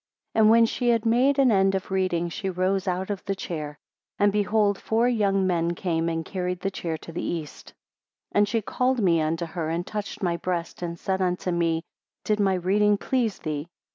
30 And when she had made an end of reading, she rose out of the chair; and behold four young men came, and carried the chair to the east. 31 And she called me unto her, and touched my breast, and said unto me, Did my reading please thee?